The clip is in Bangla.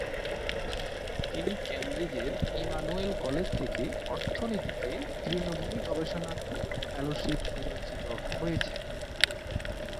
তিনি কেমব্রিজের ইমানুয়েল কলেজ, থেকে অর্থনীতিতে তৃণভূমি গবেষণা ফেলোশিপ নির্বাচিত হয়েছেন।